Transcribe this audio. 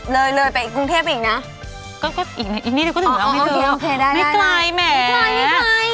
เลยไปกรุงเทพอีกนะก็อีกนิดนึงก็ถึงแล้วไม่ไกลแหม